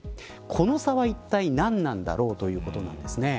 この差はいったい何なんだろうということなんです。